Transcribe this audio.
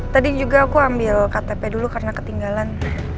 tadi juga aku ambil ktp dulu karena ketinggalan